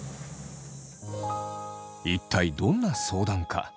一体どんな相談か。